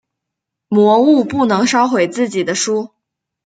魔物不能烧毁自己的书。